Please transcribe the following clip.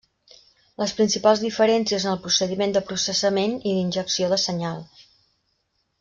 Les principals diferències en el procediment de processament i d'injecció de senyal.